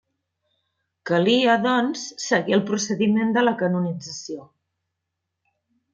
Calia, doncs, seguir el procediment de la canonització.